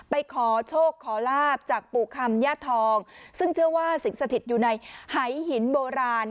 ไปขอโชคขอลาบจากปู่คำย่าทองซึ่งเชื่อว่าสิงสถิตอยู่ในหายหินโบราณ